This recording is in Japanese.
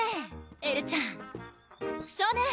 エルちゃん少年！